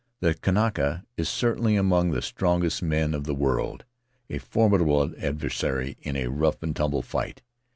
The Kanaka is certainly among the strongest men of the world, a formidable adversary in a rough and tumble fight.